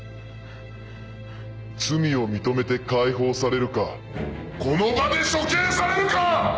罪を認めて解放されるかこの場で処刑されるか‼